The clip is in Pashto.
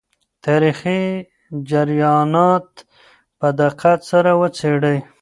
تاریخي جریانات په دقت سره وڅېړئ.